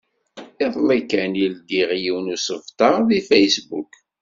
Iḍelli kan i ldiɣ yiwen usebter deg Facebook.